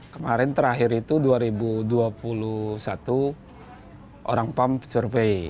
kemarin terakhir itu dua ribu dua puluh satu orang pam survei